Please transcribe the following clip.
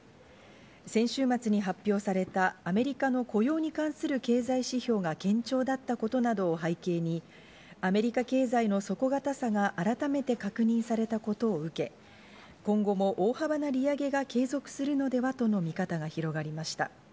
先週末に発表されたアメリカの雇用に関する経済指標が堅調だったことなどを背景に、アメリカ経済の底堅さが改めて確認されたことを受け、今後も大幅な利上げが継続するのではとの見方が広がりました。